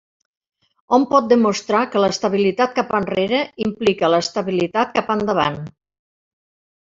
Hom pot demostrar que l'estabilitat cap enrere implica l'estabilitat cap endavant.